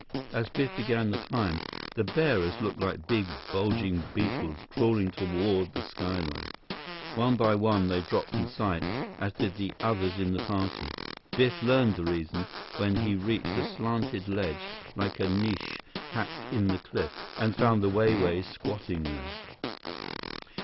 As Biff began the climb, the bearers looked like big, bulging beetles crawling toward the skyline. One by one, they dropped from sight as did the others in the party. Biff learned the reason, when he reached a slanted ledge, like a niche hacked in the cliff, and found the Wai Wais squatting there.